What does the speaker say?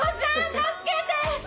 助けて！